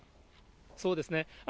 そうですね。